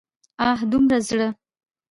اه! دومره زړه!